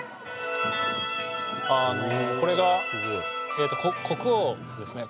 これが国王ですね